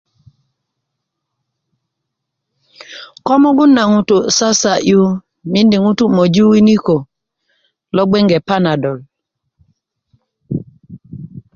ko mugun na ŋutu' na ko sasa'yu miindi ŋutu' ködö möju winikö lo gbege panadol